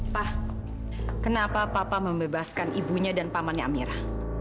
pa kenapa papa membebaskan ibunya dan pamannya amira